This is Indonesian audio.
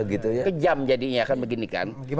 kejam jadinya kan begini kan